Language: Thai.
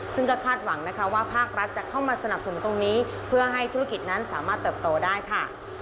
ซึ่งก็คาดหวังนะคะว่าภาครัฐจะเข้ามาสนับสนุนตรงนี้เพื่อให้ธุรกิจนั้นสามารถเติบโตได้ค่ะ